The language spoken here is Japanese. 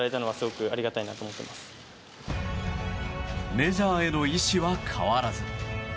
メジャーへの意思は変わらず。